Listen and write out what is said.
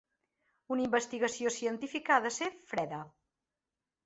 Una investigació científica ha d'ésser freda.